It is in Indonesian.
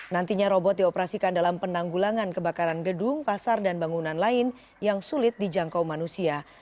nantinya robot dioperasikan dalam penanggulangan kebakaran gedung pasar dan bangunan lain yang sulit dijangkau manusia